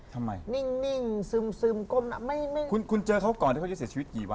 ทำไม